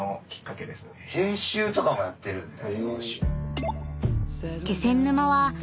研修とかもやってるんだ。